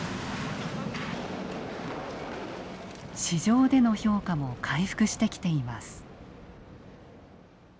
市場での評価も回復してきています。